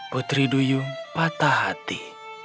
putri duyung patah hati